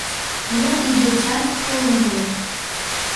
Ну игечат толын вет!